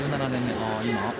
１７年目。